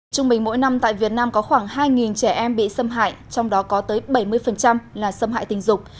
trung bình mỗi năm tại việt nam có khoảng hai trẻ em bị xâm hại trong đó có tới bảy mươi là xâm hại tình dục